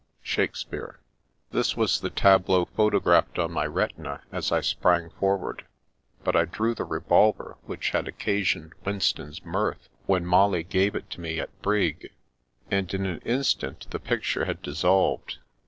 — Shaksspba&b. This was the tableau photographed on my retina as I sprang forward ; but I drew the revolver which had occasioned Winston's mirth when Molly gave it to me at Brig, and in an instant the picture had dissolved.